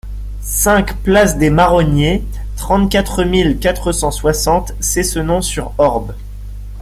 cinq place des Marroniers, trente-quatre mille quatre cent soixante Cessenon-sur-Orb